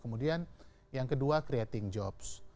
kemudian yang kedua creating jobs